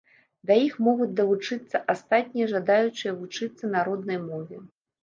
Да іх могуць далучыцца астатнія жадаючыя вучыцца на роднай мове.